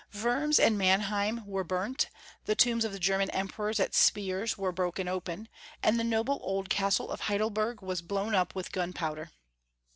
Wurms and Mannheim were burnt, the tombs of the German emperors at Spiers were broken open, and the noble old castle of Heidel berg was blown up with gunpowder.